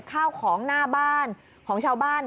ข้าวของหน้าบ้านของชาวบ้าน